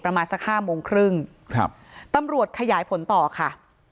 ประมาณสักห้าโมงครึ่งครับตำรวจขยายผลต่อค่ะ